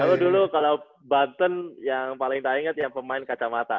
kalau dulu kalau banten yang paling tak inget ya pemain kacamata